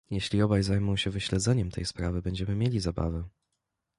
"Jeśli obaj zajmą się wyśledzeniem tej sprawy będziemy mieli zabawę."